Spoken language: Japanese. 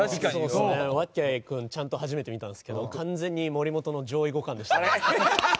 わっきゃい君ちゃんと初めて見たんですけど完全に森本の上位互換でしたね。